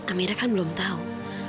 amira kan belum tahu